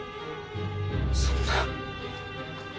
そんな。